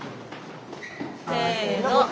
せの！